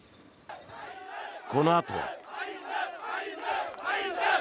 このあとは。